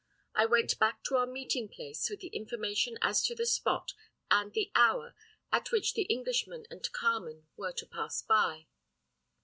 I went back to our meeting place with the information as to the spot and the hour at which the Englishman and Carmen were to pass by.